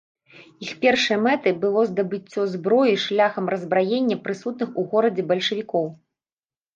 Іх першай мэтай было здабыццё зброі шляхам раззбраення прысутных у горадзе бальшавікоў.